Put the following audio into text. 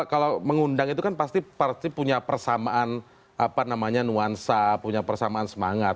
kalau mengundang itu kan pasti pasti punya persamaan nuansa punya persamaan semangat